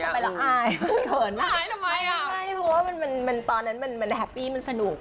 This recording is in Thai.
ย้อนกลับไปแล้วอายเกินมากไม่เพราะว่าตอนนั้นมันแฮปปี้มันสนุก